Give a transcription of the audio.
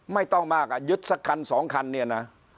ไม่ต้องมากอ่ะยึดสักคันสองคันเนี่ยนะ